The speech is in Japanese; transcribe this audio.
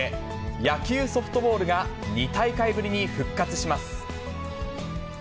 野球・ソフトボールが２大会ぶりに復活します。